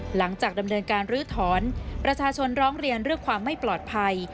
หลังจากดำเนินการลื้อถอนประชาชนร้องเรียนเรื่องความไม่ปลอดภัย